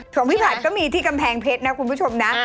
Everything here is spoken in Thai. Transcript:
ของพี่ผัดก็มีที่กำแพงเพชรนะคุณผู้ชมนะ